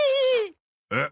えっ？